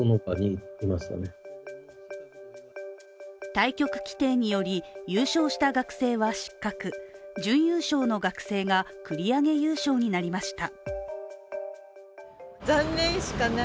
対局規定により優勝した学生は失格、準優勝の学生が繰り上げ優勝になりました。